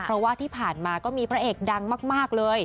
เพราะว่าที่ผ่านมาก็มีพระเอกดังมากเลย